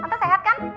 tante sehat kan